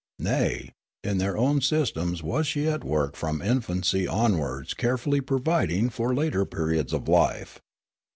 Naj , in their own systems was she at work from infancy onwards carefully providing for later periods of life.